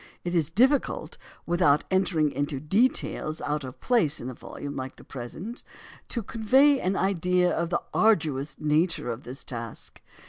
It is difficult, without entering into details out of place in a volume like the present, to convey an idea of the arduous nature of this task.